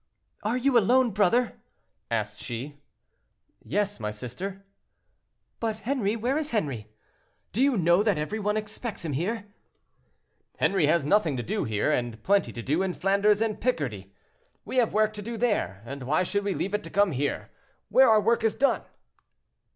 "Are you alone, brother?" asked she. "Yes, my sister." "But Henri; where is Henri? Do you know that every one expects him here?" "Henri has nothing to do here, and plenty to do in Flanders and Picardy. We have work to do there, and why should we leave it to come here, where our work is done?"